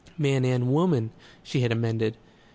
"Man and woman," she had amended.